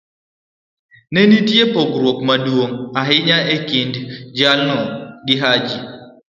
ne nitie pogruok maduong ' ahinya e kind jalno gi Haji.